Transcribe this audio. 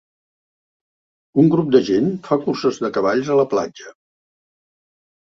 Un grup de gent fa curses de cavalls a la platja.